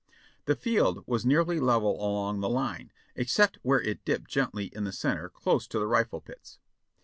The field was nearly level along the line, except where it dipped gently in the center, close to the rifle pits.